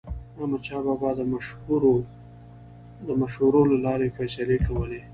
احمدشاه بابا به د مشورو له لارې فیصلې کولې.